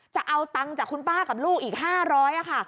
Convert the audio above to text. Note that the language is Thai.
จะเอาตังค์จากคุณป้ากับลูกอีก๕๐๐ค่ะ